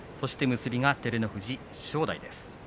結びが照ノ富士、正代です。